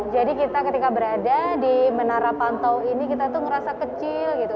jadi kita ketika berada di menara pantau ini kita tuh ngerasa kecil gitu